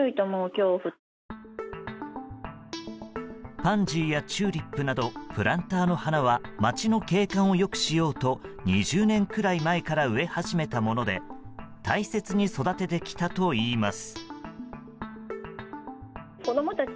パンジーやチューリップなどプランターの花は街の景観を良くしようと２０年くらい前から植え始めたもので大切に育ててきたといいます。